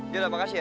ya udah makasih ya